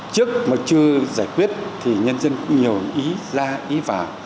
trước mà chưa giải quyết thì nhân dân cũng nhiều ý ra ý vào